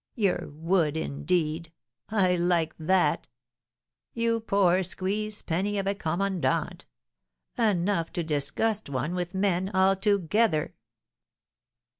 Your wood, indeed! I like that! You poor squeeze penny of a commandant, enough to disgust one with men altogether.'"